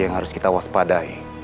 yang harus kita waspadai